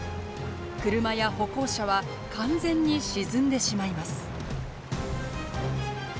車や歩行者は完全に沈んでしまいます。